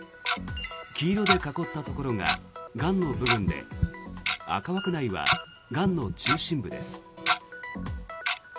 黄色で囲ったところががんの部分で赤枠内はがんの中心部です。